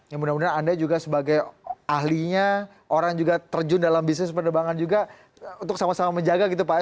ya mudah mudahan anda juga sebagai ahlinya orang juga terjun dalam bisnis penerbangan juga untuk sama sama menjaga gitu pak